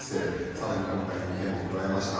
さらにこの回１点を加えました。